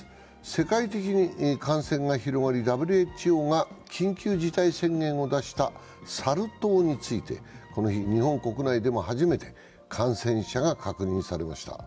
世界的に感染が広がりＷＨＯが緊急事態宣言を出したサル痘についてこの日日本国内でも初めて感染者が確認されました。